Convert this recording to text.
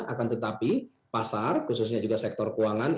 akan tetapi pasar khususnya juga sektor keuangan